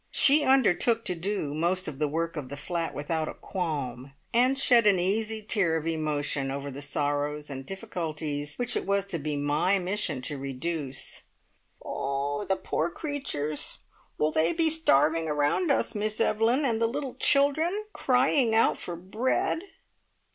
She undertook to do most of the work of the flat without a qualm, and shed an easy tear of emotion over the sorrows and difficulties which it was to be my mission to reduce. "Oh, the poor creatures! Will they be starving around us, Miss Evelyn, and the little children crying out for bread?"